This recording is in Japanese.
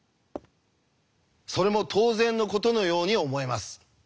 それも当然のことのように思えます。